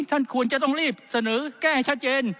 ท่านควรจะต้องรีบเสนอแก้ให้ชัดเจน